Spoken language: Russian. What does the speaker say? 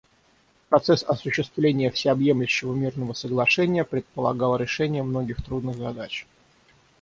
Процесс осуществления Всеобъемлющего мирного соглашения предполагал решение многих трудных задач.